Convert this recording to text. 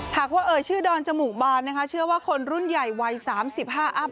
หากว่าเอ่ยชื่อดอนจมูกบานนะคะเชื่อว่าคนรุ่นใหญ่วัย๓๕อัพ